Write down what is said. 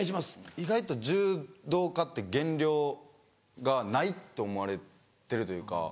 意外と柔道家って減量がないと思われてるというか。